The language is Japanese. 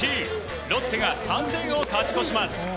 ロッテが３点を勝ち越します。